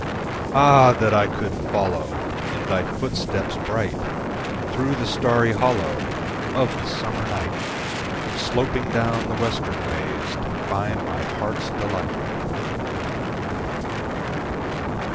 Ah! that I could follow In thy footsteps bright, Through the starry hollow Of the summer night, Sloping down the western ways To find my heart's delight!